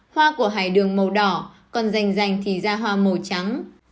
hoa của hải đường màu đỏ còn rành rành thì ra hoa màu trắng